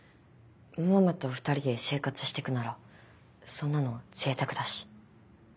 ママと２人で生活してくならそんなのは贅沢だし。